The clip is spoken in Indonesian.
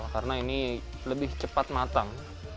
karena ini lebih cepat matang